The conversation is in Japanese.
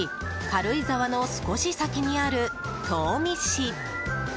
軽井沢の少し先にある東御市。